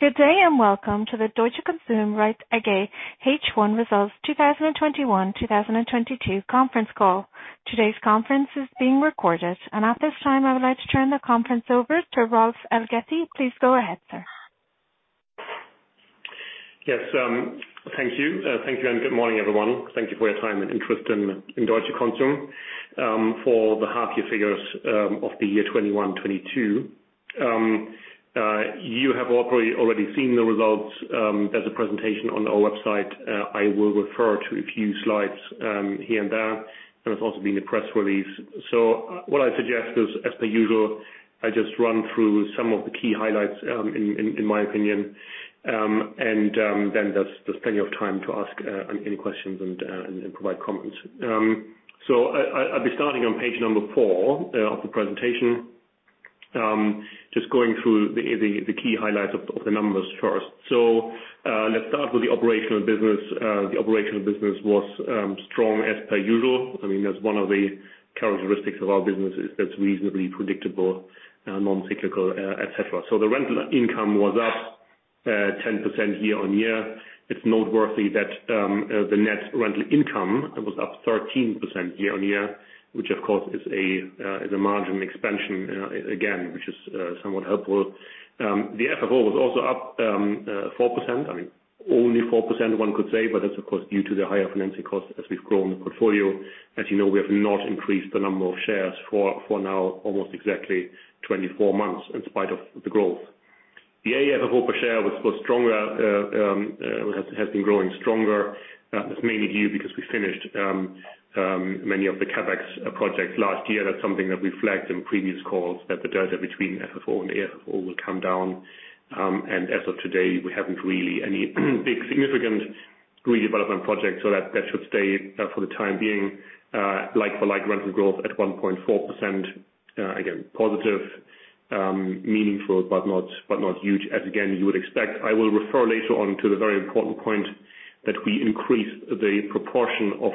Good day and welcome to the Deutsche Konsum REIT-AG H1 Results 2021, 2022 Conference Call. Today's conference is being recorded. At this time, I would like to turn the conference over to Rolf Elgeti. Please go ahead, sir. Yes, thank you. Thank you, and good morning, everyone. Thank you for your time and interest in Deutsche Konsum for the half year figures of the year 2021, 2022. You have probably already seen the results as a presentation on our website. I will refer to a few slides here and there, and there's also been a press release. What I suggest is, as per usual, I just run through some of the key highlights in my opinion, and then there's plenty of time to ask any questions and provide comments. I'll be starting on page four of the presentation. Just going through the key highlights of the numbers first. Let's start with the operational business. The operational business was strong as per usual. I mean, that's one of the characteristics of our businesses that's reasonably predictable, non-cyclical, et cetera. The rental income was up 10% year-on-year. It's noteworthy that the net rental income was up 13% year-on-year, which of course is a margin expansion again, which is somewhat helpful. The FFO was also up 4%. I mean, only 4% one could say, but that's of course due to the higher financing costs as we've grown the portfolio. As you know, we have not increased the number of shares for now almost exactly 24 months in spite of the growth. The AFFO per share was stronger, has been growing stronger. That's mainly due because we finished many of the CapEx projects last year. That's something that we flagged in previous calls that the delta between FFO and AFFO will come down. As of today, we haven't really any big significant redevelopment projects so that that should stay for the time being. Like for like rental growth at 1.4%. Again, positive, meaningful, but not huge as again you would expect. I will refer later on to the very important point that we increase the proportion of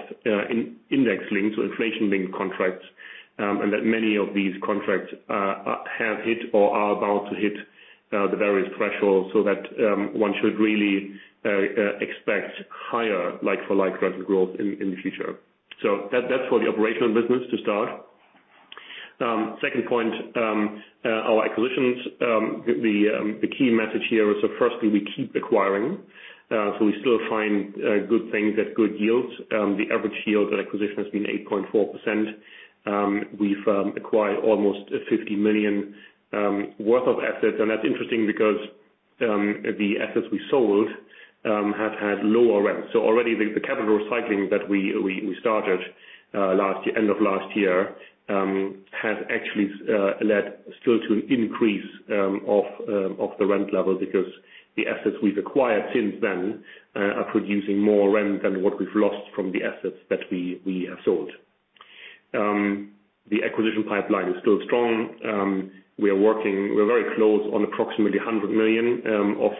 index-linked or inflation-linked contracts, and that many of these contracts have hit or are about to hit the various thresholds so that one should really expect higher like for like rental growth in the future. That's for the operational business to start. Second point, our acquisitions, the key message here is that firstly, we keep acquiring. We still find good things at good yields. The average yield on acquisition has been 8.4%. We've acquired almost 50 million worth of assets, and that's interesting because the assets we sold have had lower rents. Already the capital recycling that we started end of last year has actually still led to an increase of the rent level because the assets we've acquired since then are producing more rent than what we've lost from the assets that we have sold. The acquisition pipeline is still strong. We are working. We're very close on approximately 100 million of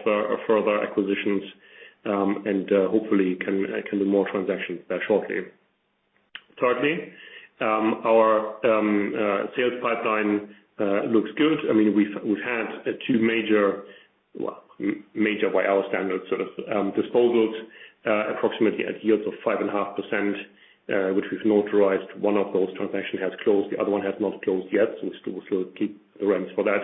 further acquisitions, and hopefully can do more transactions shortly. Thirdly, our sales pipeline looks good. I mean, we've had two major, well, major by our standards, sort of, disposals, approximately at yields of 5.5%, which we've notarized. One of those transactions has closed, the other one has not closed yet, so we still keep the rents for that.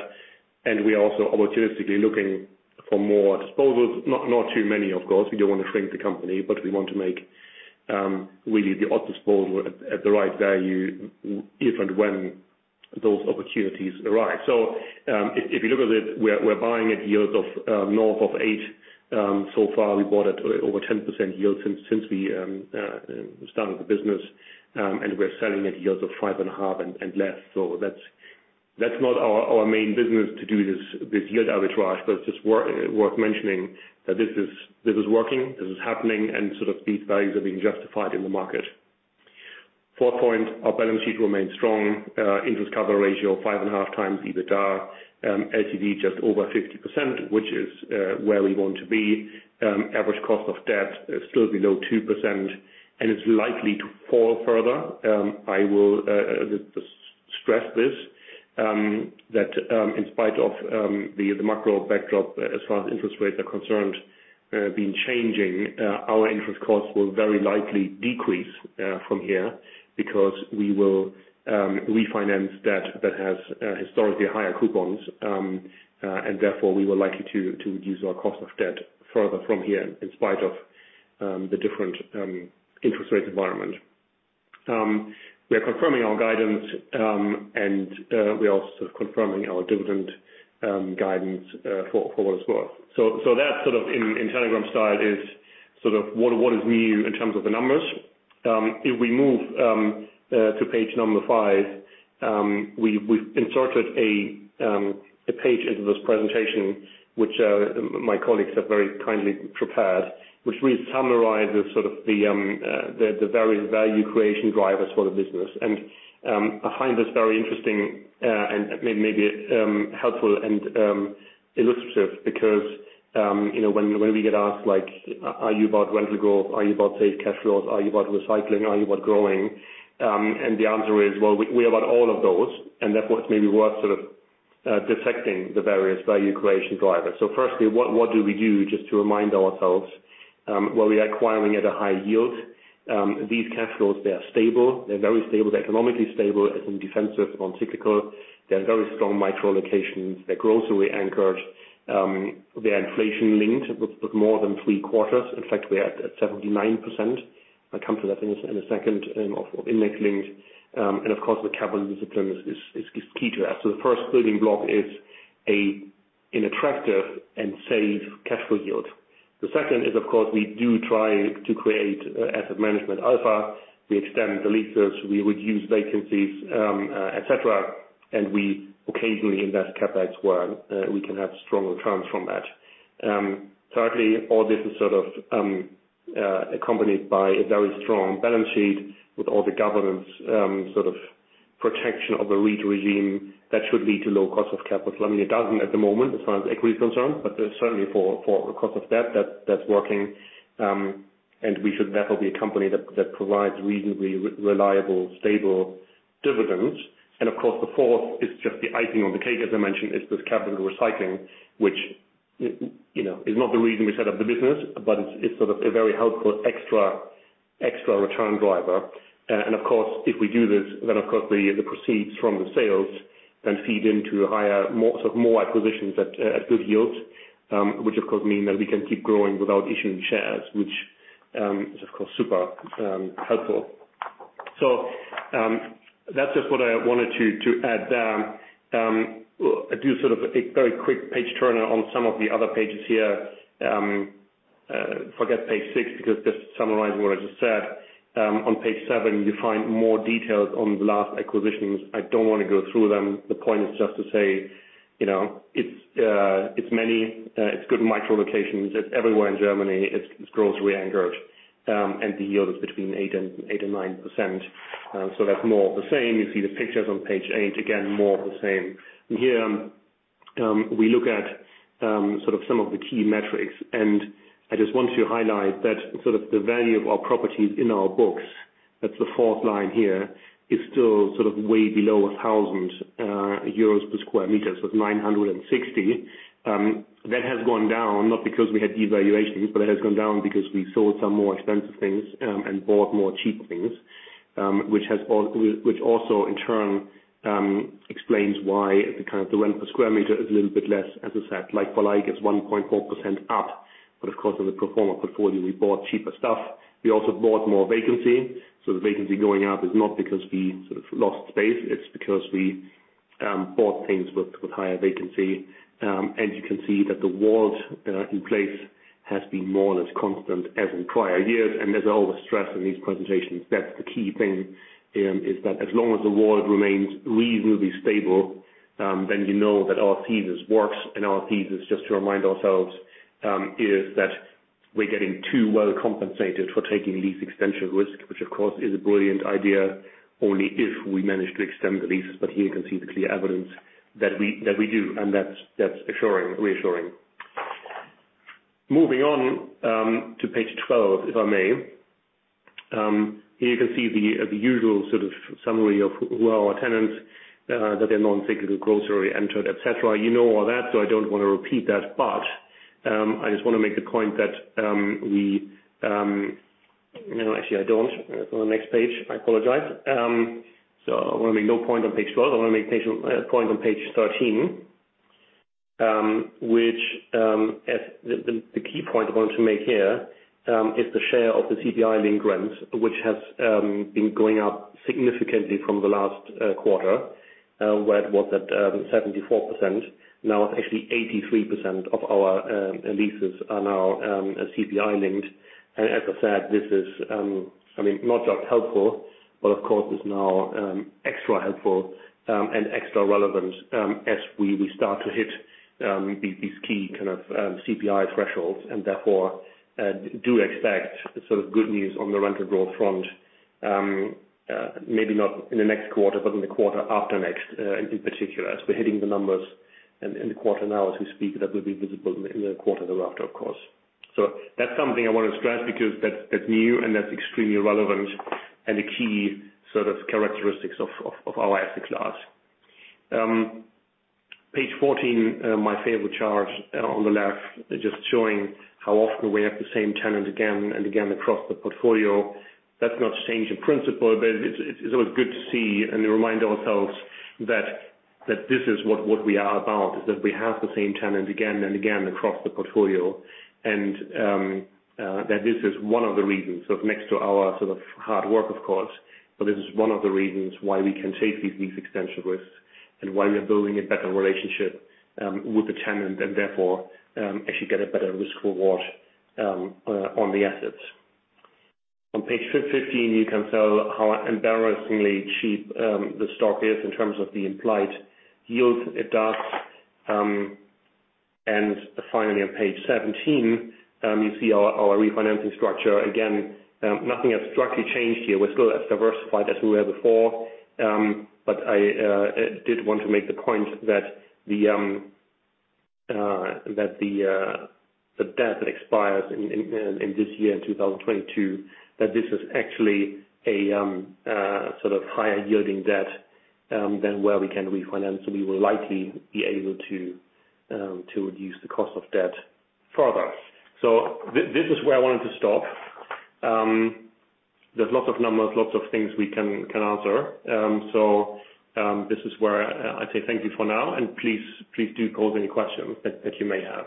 We are also opportunistically looking for more disposals. Not too many, of course, we don't want to shrink the company, but we want to make really the odd disposal at the right value if and when those opportunities arise. If you look at it, we're buying at yields of north of 8%. So far, we bought at over 10% yields since we started the business. We're selling at yields of 5.5 and less. That's not our main business to do this yield arbitrage, but it's just worth mentioning that this is working, this is happening, and sort of these values are being justified in the market. Fourth point, our balance sheet remains strong. Interest cover ratio 5.5x EBITDA. LTV just over 50%, which is where we want to be. Average cost of debt is still below 2% and is likely to fall further. I will stress this, that in spite of the macro backdrop as far as interest rates are concerned has been changing, our interest costs will very likely decrease from here because we will refinance debt that has historically higher coupons. Therefore, we will likely to reduce our cost of debt further from here in spite of the different interest rate environment. We are confirming our guidance, and we are also confirming our dividend guidance forward as well. That sort of in telegram style is sort of what is new in terms of the numbers. If we move to page number five, we've inserted a page into this presentation, which my colleagues have very kindly prepared, which really summarizes sort of the various value creation drivers for the business. I find this very interesting, and maybe helpful and illustrative because, you know, when we get asked like, "Are you about rental growth? Are you about safe cash flows? Are you about recycling? Are you about growing?" The answer is, well, we are about all of those, and therefore it's maybe worth sort of detecting the various value creation drivers. Firstly, what do we do just to remind ourselves, were we acquiring at a high yield? These cash flows, they are stable. They're very stable. They're economically stable, as in defensive, non-cyclical. They're very strong micro locations. They're grocery-anchored. They're inflation-linked with more than three quarters. In fact, we're at 79%. I'll come to that in a second, of index-linked. Of course the capital discipline is key to that. The first building block is an attractive and safe cash flow yield. The second is of course we do try to create asset management alpha. We extend the leases, we reduce vacancies, et cetera. We occasionally invest CapEx where we can have stronger returns from that. Thirdly, all this is sort of accompanied by a very strong balance sheet with all the governance, sort of protection of the REIT regime that should lead to low cost of capital. I mean, it doesn't at the moment as far as equity is concerned, but certainly in the course of that's working. We should therefore be a company that provides reasonably reliable, stable dividends. Of course, the fourth is just the icing on the cake, as I mentioned, is this capital recycling, which you know is not the reason we set up the business, but it's sort of a very helpful extra return driver. Of course, if we do this, then of course the proceeds from the sales then feed into higher, sort of more acquisitions at good yields, which of course mean that we can keep growing without issuing shares, which is of course super helpful. That's just what I wanted to add. I do sort of a very quick page turner on some of the other pages here. Forget page six, because just summarizing what I just said, on page seven, you find more details on the last acquisitions. I don't want to go through them. The point is just to say, you know, it's good micro locations. It's everywhere in Germany. It's grocery-anchored, and the yield is between 8%-9%. So that's more of the same. You see the pictures on page eight. Again, more of the same. Here, we look at sort of some of the key metrics. I just want to highlight that sort of the value of our properties in our books, that's the fourth line here, is still sort of way below 1,000 euros per square meter with 960. That has gone down not because we had devaluations, but it has gone down because we sold some more expensive things and bought more cheap things, which also in turn explains why the kind of the rent per square meter is a little bit less. As I said, like for like, it's 1.4% up, but of course in the pro forma portfolio, we bought cheaper stuff. We also bought more vacancy. The vacancy going up is not because we sort of lost space, it's because we bought things with higher vacancy. You can see that the WALT in place has been more or less constant as in prior years. As I always stress in these presentations, that's the key thing is that as long as the WALT remains reasonably stable, then you know that our thesis works. Our thesis, just to remind ourselves, is that we're getting too well compensated for taking lease extension risk, which of course is a brilliant idea only if we manage to extend the leases. Here you can see the clear evidence that we do, and that's reassuring. Moving on to page 12, if I may. Here you can see the usual sort of summary of who are our tenants that they're non-cyclical, grocery-anchored, et cetera. You know all that, so I don't want to repeat that. Actually, I don't. On the next page. I apologize. I want to make a point on page 13, which is the key point I want to make here, is the share of the CPI-linked rents, which has been going up significantly from the last quarter, where it was at 74%. Now it's actually 83% of our leases are now CPI-linked. As I said, this is, I mean, not just helpful, but of course is now, extra helpful, and extra relevant, as we start to hit, these key kind of, CPI thresholds, and therefore, do expect the sort of good news on the rental growth front, maybe not in the next quarter, but in the quarter after next, in particular, as we're hitting the numbers in, the quarter now as we speak, that will be visible in the quarter thereafter, of course. That's something I want to stress because that's new and that's extremely relevant and a key sort of characteristics of our asset class. Page 14, my favorite chart, on the left, just showing how often we have the same tenant again and again across the portfolio. That's not a change in principle, but it's always good to see and remind ourselves that this is what we are about, is that we have the same tenant again and again across the portfolio. That this is one of the reasons. Next to our sort of hard work, of course, but this is one of the reasons why we can take these lease extension risks and why we are building a better relationship with the tenant and therefore actually get a better risk reward on the assets. On page 15, you can tell how embarrassingly cheap the stock is in terms of the implied yield it does. And finally on page 17, you see our refinancing structure. Again, nothing has drastically changed here. We're still as diversified as we were before. I did want to make the point that the debt that expires in this year, in 2022, that this is actually a sort of higher yielding debt than where we can refinance. We will likely be able to reduce the cost of debt further. This is where I wanted to stop. There's lots of numbers, lots of things we can answer. This is where I say thank you for now, and please do pose any questions that you may have.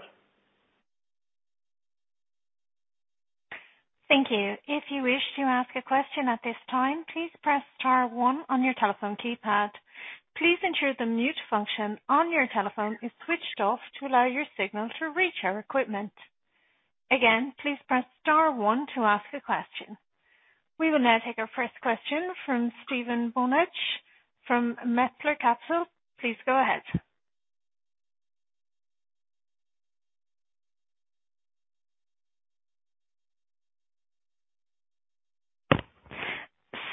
Thank you. If you wish to ask a question at this time, please press star one on your telephone keypad. Please ensure the mute function on your telephone is switched off to allow your signal to reach our equipment. Again, please press star one to ask a question. We will now take our first question from Stefan Bönartz from Metzler Capital Markets. Please go ahead.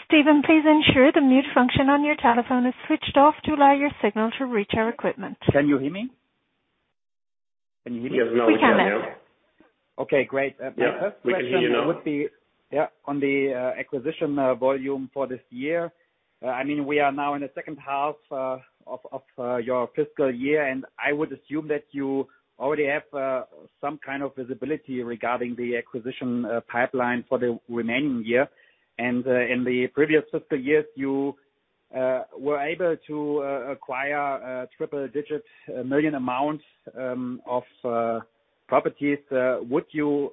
Stefan, please ensure the mute function on your telephone is switched off to allow your signal to reach our equipment. Can you hear me? Can you hear me? Yes, now we can, yeah. We can now. Okay, great. Yeah. The first question. We can hear you now. Would be, yeah, on the acquisition volume for this year. I mean, we are now in the second half of your fiscal year, and I would assume that you already have some kind of visibility regarding the acquisition pipeline for the remaining year. In the previous fiscal years, you were able to acquire triple digits million amounts of properties. Would you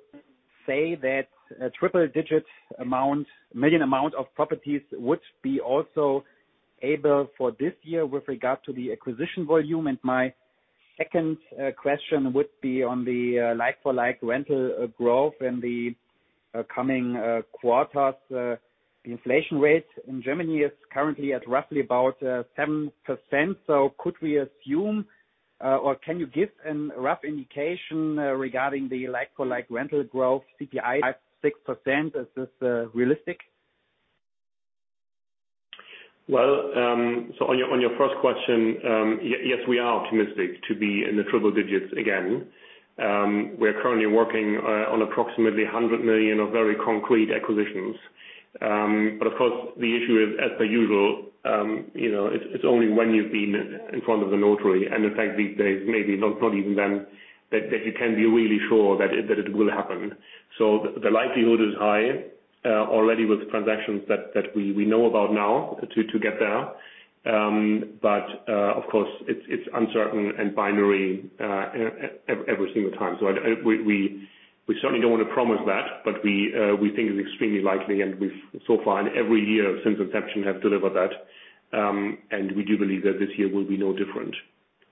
say that a triple digit amount, million amount of properties would be also able for this year with regard to the acquisition volume? My second question would be on the like-for-like rental growth in the coming quarters. The inflation rate in Germany is currently at roughly about 7%. Could we assume, or can you give a rough indication, regarding the like-for-like rental growth CPI at 6%? Is this realistic? On your first question, yes, we are optimistic to be in the triple digits again. We're currently working on approximately 100 million of very concrete acquisitions. Of course, the issue is as per usual, you know, it's only when you've been in front of the notary. In fact, these days, maybe not even then that you can be really sure that it will happen. The likelihood is high already with the transactions that we know about now to get there. Of course, it's uncertain and binary every single time. We certainly don't wanna promise that, but we think it's extremely likely and we've so far in every year since inception have delivered that. We do believe that this year will be no different.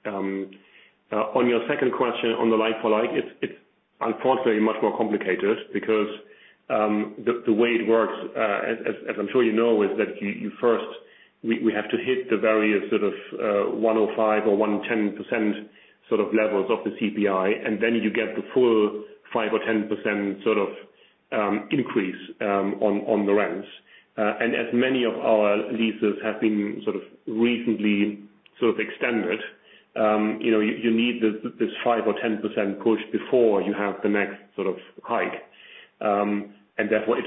On your second question on the like-for-like, it's unfortunately much more complicated because the way it works, as I'm sure you know, is that we have to hit the various sort of 105% or 110% sort of levels of the CPI, and then you get the full 5% or 10% sort of increase on the rents. As many of our leases have been sort of recently sort of extended, you know, you need this 5% or 10% push before you have the next sort of hike. Therefore,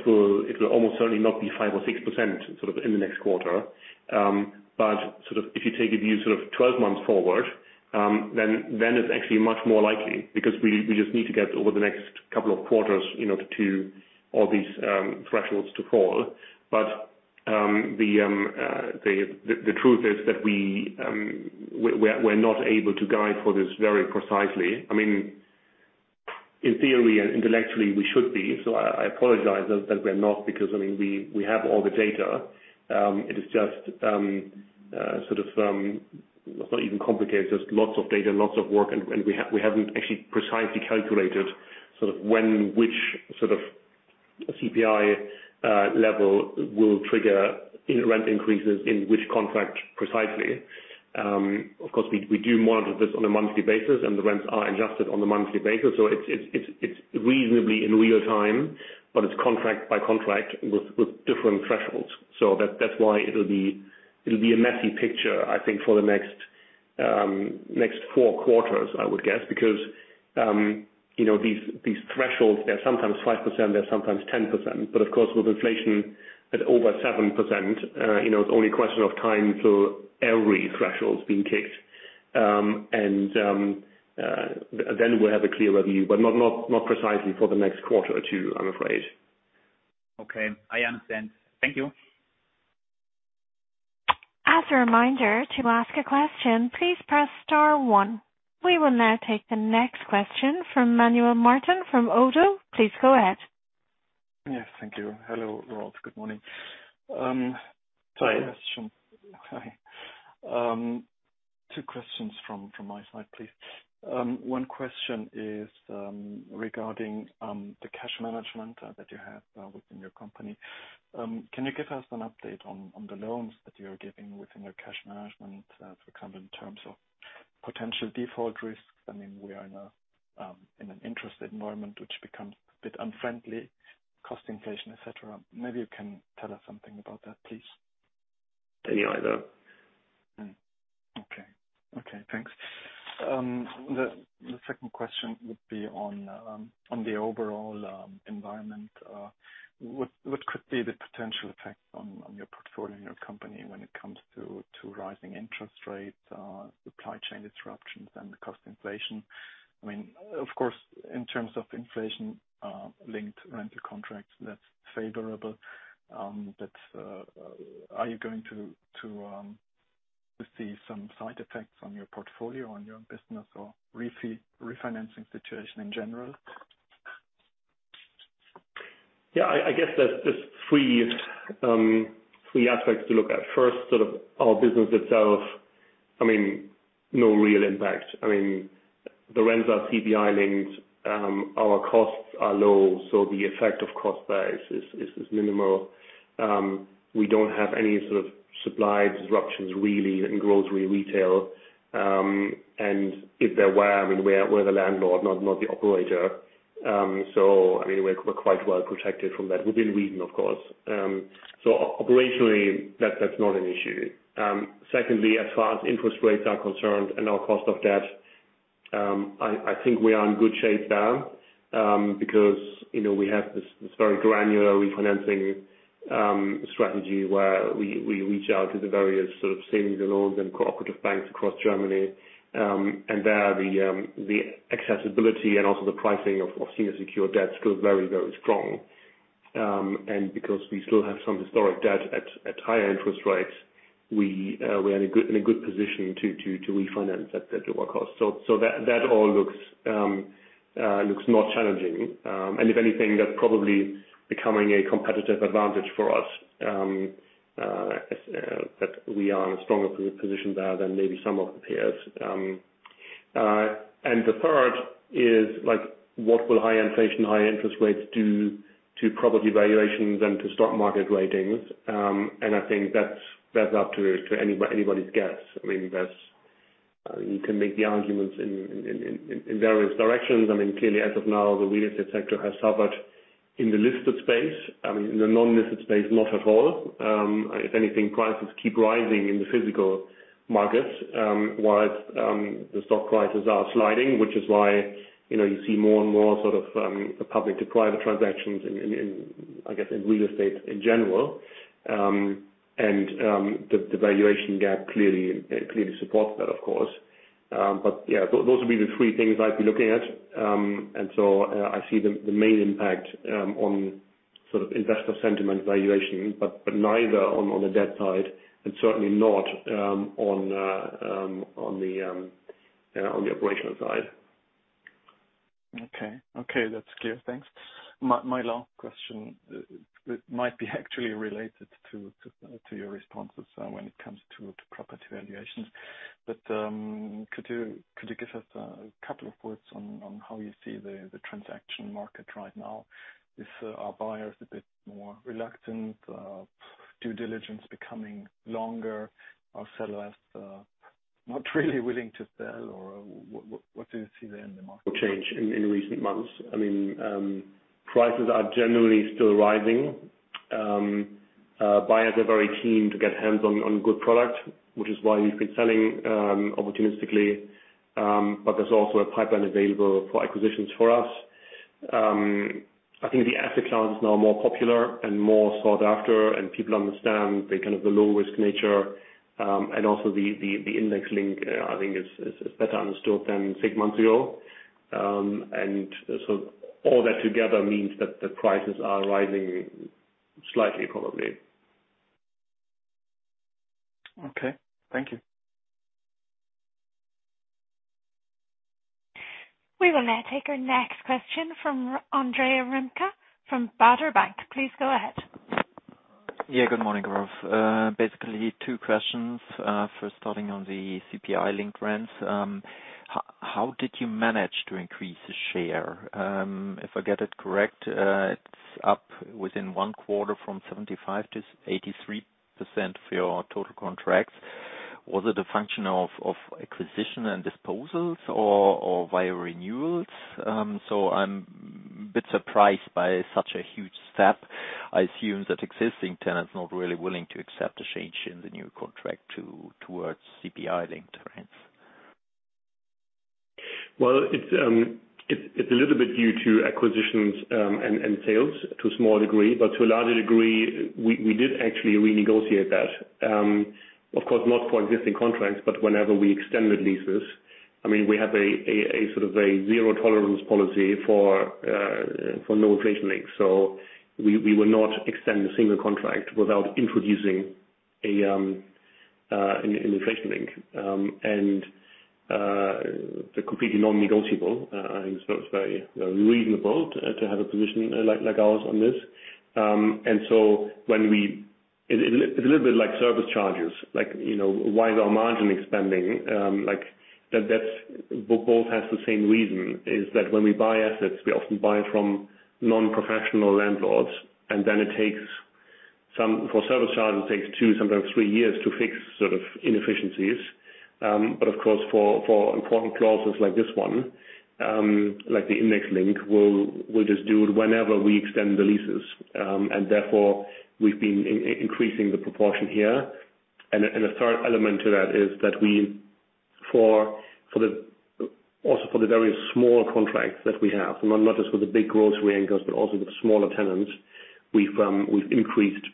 it will almost certainly not be 5% or 6%, sort of in the next quarter. Sort of if you take a view sort of twelve months forward, then it's actually much more likely because we just need to get over the next couple of quarters, you know, to all these thresholds to call. The truth is that we're not able to guide for this very precisely. I mean, in theory and intellectually, we should be. I apologize that we're not because, I mean, we have all the data. It is just sort of it's not even complicated, there's lots of data, lots of work. We haven't actually precisely calculated sort of when which sort of CPI level will trigger rent increases in which contract precisely. Of course, we do monitor this on a monthly basis, and the rents are adjusted on a monthly basis. It's reasonably in real time, but it's contract by contract with different thresholds. That's why it'll be a messy picture, I think, for the next 4 quarters, I would guess. Because you know, these thresholds, they're sometimes 5%, they're sometimes 10%. Of course, with inflation at over 7%, you know, it's only a question of time till every threshold is being kicked. Then we'll have a clearer view, but not precisely for the next quarter or two, I'm afraid. Okay. I understand. Thank you. As a reminder, to ask a question, please press star one. We will now take the next question from Manuel Martin from ODDO BHF. Please go ahead. Yes, thank you. Hello, Rolf. Good morning. Hi. Two questions. Hi. Two questions from my side, please. One question is regarding the cash management that you have within your company. Can you give us an update on the loans that you are giving within your cash management for kind of in terms of potential default risks? I mean, we are now in an interest environment which becomes a bit unfriendly, cost inflation, et cetera. Maybe you can tell us something about that, please. Any either. Okay. Thanks. The second question would be on the overall environment. What could be the potential effect on your portfolio in your company when it comes to rising interest rates, supply chain disruptions and the cost inflation? I mean, of course, in terms of inflation-linked rental contracts, that's favorable. Are you going to see some side effects on your portfolio, on your business or refinancing situation in general? Yeah, I guess there's three aspects to look at. First, sort of our business itself, I mean, no real impact. I mean, the rents are CPI-linked. Our costs are low, so the effect of cost base is minimal. We don't have any sort of supply disruptions really in grocery retail. If there were, I mean, we're the landlord not the operator. I mean, we're quite well protected from that within WAULT, of course. Operationally, that's not an issue. Secondly, as far as interest rates are concerned and our cost of debt, I think we are in good shape there, because, you know, we have this very granular refinancing strategy where we reach out to the various sort of savings and loans and cooperative banks across Germany. There the accessibility and also the pricing of senior secured debts goes very, very strong. Because we still have some historic debt at higher interest rates, we are in a good position to refinance at lower cost. That all looks not challenging. If anything, that's probably becoming a competitive advantage for us, that we are in a stronger position there than maybe some of the peers. The third is like, what will high inflation, high interest rates do to property valuations and to stock market ratings? I think that's up to anybody's guess. I mean, that's you can make the arguments in various directions. I mean, clearly as of now, the real estate sector has suffered in the listed space. I mean, in the non-listed space, not at all. If anything, prices keep rising in the physical markets, while the stock prices are sliding, which is why, you know, you see more and more sort of public to private transactions in, I guess, in real estate in general. The valuation gap clearly supports that of course. Yeah, those would be the three things I'd be looking at. I see the main impact on sort of investor sentiment valuation, but neither on the debt side and certainly not on the operational side. Okay. That's clear. Thanks. My last question might be actually related to your responses when it comes to property valuations. Could you give us a couple of words on how you see the transaction market right now? Are buyers a bit more reluctant, due diligence becoming longer? Are sellers not really willing to sell, or what do you see there in the market? Change in recent months. I mean, prices are generally still rising. Buyers are very keen to get hands on good product, which is why we've been selling opportunistically. But there's also a pipeline available for acquisitions for us. I think the asset class is now more popular and more sought after, and people understand the kind of the low risk nature. And also the index-linked, I think, is better understood than six months ago. And so all that together means that the prices are rising slightly, probably. Okay. Thank you. We will now take our next question from Andre Remke from Baader Bank. Please go ahead. Yeah, good morning, Rolf. Basically two questions. First starting on the CPI-linked rents. How did you manage to increase the share? If I get it correct, it's up within one quarter from 75%-83% for your total contracts. Was it a function of acquisition and disposals or via renewals? So I'm a bit surprised by such a huge step. I assume that existing tenants not really willing to accept the change in the new contract towards CPI-linked rents. Well, it's a little bit due to acquisitions, and sales to a small degree. To a larger degree, we did actually renegotiate that. Of course, not for existing contracts, but whenever we extended leases. I mean, we have a sort of a zero tolerance policy for no inflation link. We will not extend a single contract without introducing an inflation link. They're completely non-negotiable. I think it's very reasonable to have a position like ours on this. It's a little bit like service charges, like, you know, why is our margin expanding, like that. That's both have the same reason, that when we buy assets, we often buy from non-professional landlords, and then it takes some. For service charges, it takes two, sometimes three years to fix sort of inefficiencies. Of course, for important clauses like this one, like the index-linked, we'll just do it whenever we extend the leases. Therefore, we've been increasing the proportion here. A third element to that is that we also for the very small contracts that we have. Not just for the big grocery anchors, but also the smaller tenants. We've increased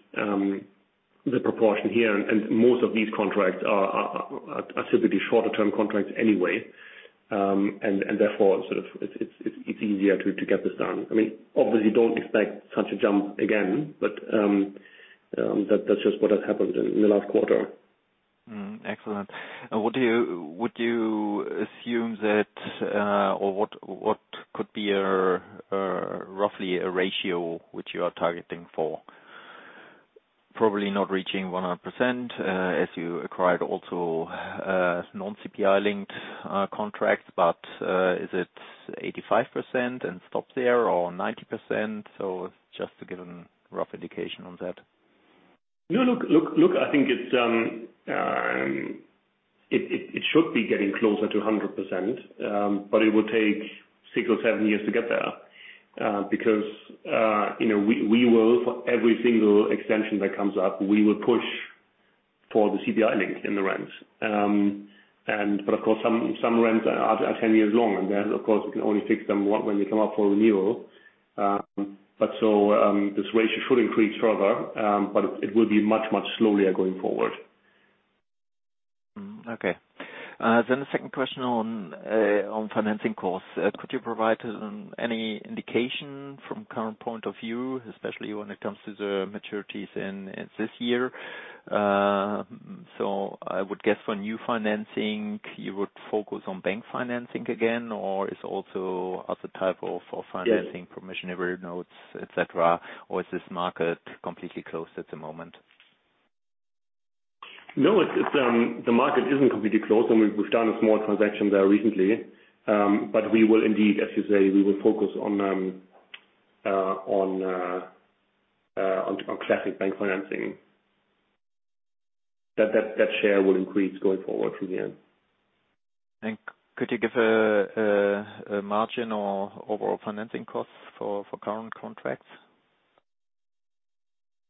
the proportion here and most of these contracts are typically shorter term contracts anyway. Therefore, sort of, it's easier to get this done. I mean, obviously don't expect such a jump again, but that's just what has happened in the last quarter. Excellent. Would you assume that or what could be your roughly a ratio which you are targeting for? Probably not reaching 100%, as you acquired also non-CPI-linked contracts, but is it 85% and stop there or 90%? Just to give a rough indication on that. No, look. I think it should be getting closer to 100%. It will take six or seven years to get there, because you know, we will for every single extension that comes up, we will push for the CPI link in the rent. Of course, some rents are 10 years long. Of course, we can only fix them when they come up for renewal. This ratio should increase further, but it will be much slower going forward. Okay. The second question on financing costs. Could you provide any indication from current point of view, especially when it comes to the maturities in this year? I would guess on new financing, you would focus on bank financing again, or is also other type of- Yes. refinancing, promissory notes, et cetera, or is this market completely closed at the moment? No, it's the market isn't completely closed. I mean, we've done a small transaction there recently, but we will indeed, as you say, we will focus on classic bank financing. That share will increase going forward through the end. Could you give a margin or overall financing costs for current contracts?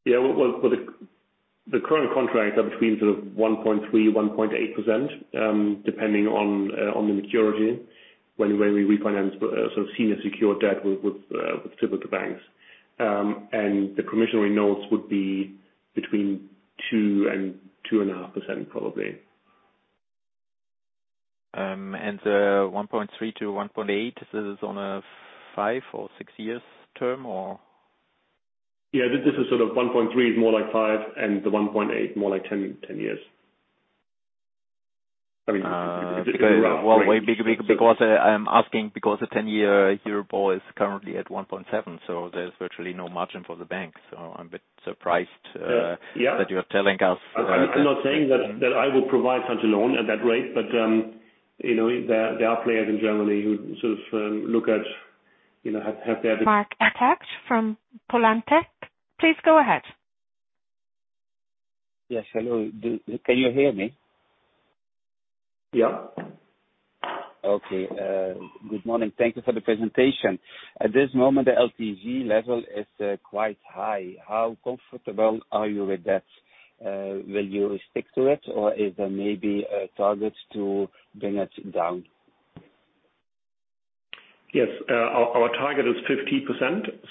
Well, the current contracts are between sort of 1.3%-1.8%, depending on the maturity. When we refinance sort of senior secured debt with typical banks. The promissory notes would be between 2% and 2.5%, probably. The 1.3%-1.8%, this is on a five- or six-year term, or? Yeah, this is sort of 1.3% is more like five and the 1.8% more like 10 years. I mean Well, way bigger because I'm asking because the 10-year Euro is currently at 1.7%, so there's virtually no margin for the bank. I'm a bit surprised. Yeah. that you are telling us. I'm not saying that I will provide such a loan at that rate. You know, there are players in Germany who sort of look at, you know, have their- Mark Attack from Polante. Please go ahead. Yes. Hello. Can you hear me? Yeah. Okay. Good morning. Thank you for the presentation. At this moment, the LTV level is quite high. How comfortable are you with that? Will you stick to it, or is there maybe a target to bring it down? Yes. Our target is 50%,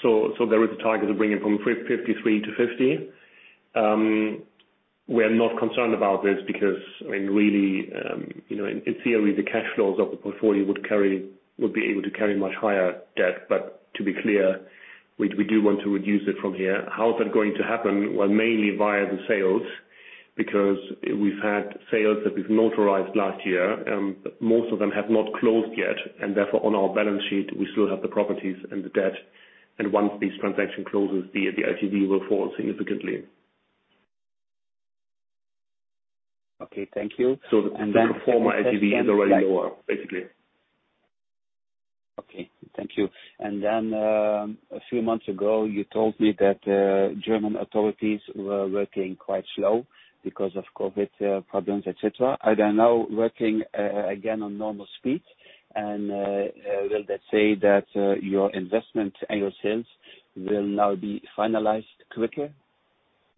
so there is a target to bring it from 53%-50%. We are not concerned about this because, I mean, really, you know, in theory, the cash flows of the portfolio would be able to carry much higher debt. To be clear, we do want to reduce it from here. How is that going to happen? Well, mainly via the sales, because we've had sales that we've notarized last year, most of them have not closed yet, and therefore on our balance sheet, we still have the properties and the debt. Once this transaction closes, the LTV will fall significantly. Okay. Thank you. The pro forma LTV is already lower, basically. Okay. Thank you. A few months ago, you told me that German authorities were working quite slow because of COVID problems, et cetera. Are they now working again on normal speed? Will that say that your investment and your sales will now be finalized quicker?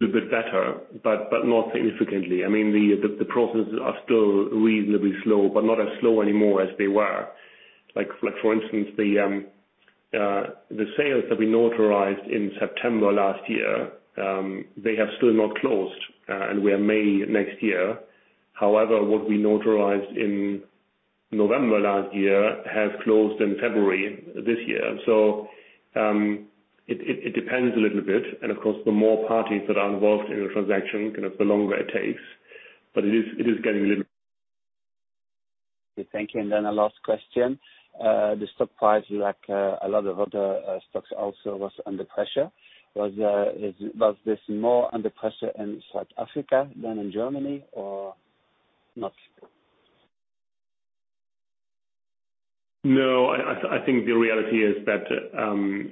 A bit better, but not significantly. I mean, the processes are still reasonably slow, but not as slow anymore as they were. Like, for instance, the sales that we notarized in September last year, they have still not closed, and we are May next year. However, what we notarized in November last year has closed in February this year. It depends a little bit and of course, the more parties that are involved in a transaction, kind of, the longer it takes, but it is getting a little. Thank you. Then a last question. The stock price, like, a lot of other stocks also was under pressure. Was this more under pressure in South Africa than in Germany or not? No, I think the reality is that,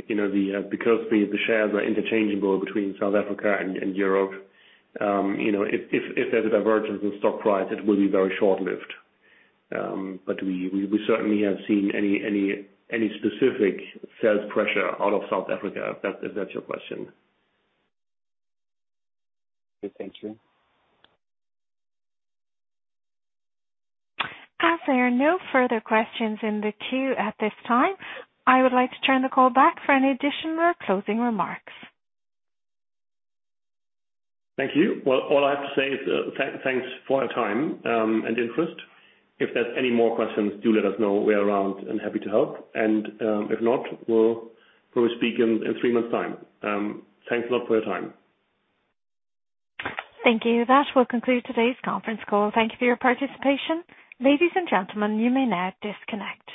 you know, because the shares are interchangeable between South Africa and Europe, you know, if there's a divergence in stock price, it will be very short-lived. But we certainly haven't seen any specific sales pressure out of South Africa, if that's your question. Okay. Thank you. As there are no further questions in the queue at this time, I would like to turn the call back for any additional closing remarks. Thank you. Well, all I have to say is thanks for your time and interest. If there's any more questions, do let us know. We're around and happy to help. If not, we'll speak in three months time. Thanks a lot for your time. Thank you. That will conclude today's conference call. Thank you for your participation. Ladies and gentlemen, you may now disconnect.